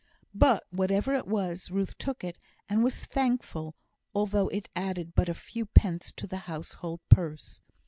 But whatever it was, Ruth took it, and was thankful, although it added but a few pence to the household purse.